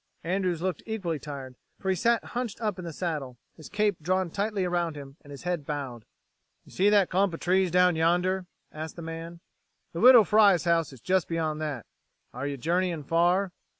Andrews looked equally tired, for he sat hunched up in the saddle, his cape drawn tightly around him and his head bowed. "Y'see that clump of trees down yonder!" asked the man. "The Widow Fry's house is just beyond that. Are you journeyin' far?"